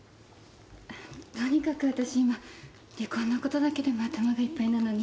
とにかくわたし今離婚のことだけでも頭がいっぱいなのに。